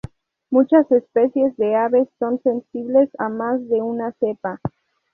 Muchas especies de aves son sensibles a más de una cepa.